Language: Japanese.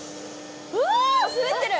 うわ滑ってる！